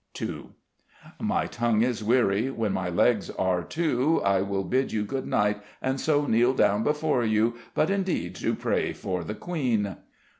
II "_My tongue is weary: when my legs are too, I will bid you good night: and so kneel down before you; but indeed to pray for the Queen.